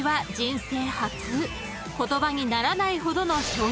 ［言葉にならないほどの衝撃］